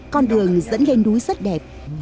con đường dẫn lên núi rất đẹp